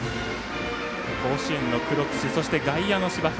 甲子園の黒土そして外野の芝生。